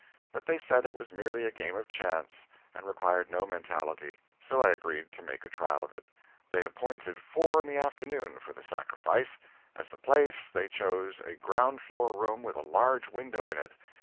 But they said it was merely a game of chance, and required no mentality so I agreed to make a trial of it. They appointed four in the afternoon for the sacrifice. As the place, they chose a ground floor room with a large window in it.